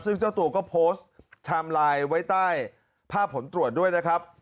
ซึ่งเจ้าตัวก็โพสต์ไทม์ไลน์ไว้ใต้ภาพผลตรวจด้วยนะครับ